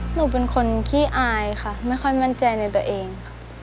หนูเป็นคนขี้อายค่ะไม่ค่อยมั่นใจในตัวเอง